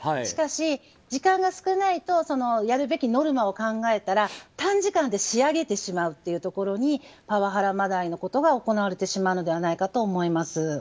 しかし、時間が少ないとやるべきノルマを考えたら短時間で仕上げてしまうというところにパワハラまがいのことが行われてしまうのではないかと思います。